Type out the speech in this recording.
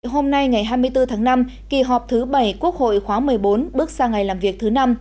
hôm nay ngày hai mươi bốn tháng năm kỳ họp thứ bảy quốc hội khóa một mươi bốn bước sang ngày làm việc thứ năm